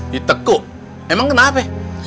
ditekuk emang kenapa